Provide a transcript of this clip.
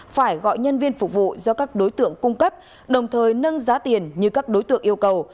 phải gọi nhân viên phục vụ do các đối tượng cung cấp đồng thời nâng giá tiền như các đối tượng yêu cầu